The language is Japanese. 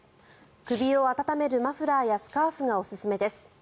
首を温めるマフラーやスカーフがおすすめです。